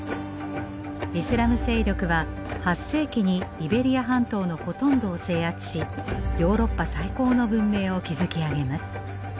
イスラム勢力は８世紀にイベリア半島のほとんどを制圧しヨーロッパ最高の文明を築き上げます。